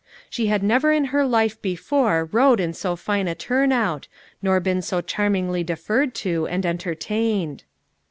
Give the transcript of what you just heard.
She had never in her life before rode in so fine n turn out nor been so charmingly deferred (o and en tertained.